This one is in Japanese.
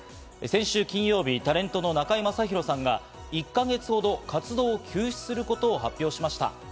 先週金曜日、タレントの中居正広さんが１か月ほど活動を休止することを発表しました。